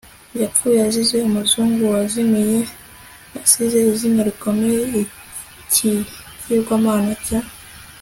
yapfuye, azize umuzungu wazimiye, asize izina rikomeye, ikigirwamana cya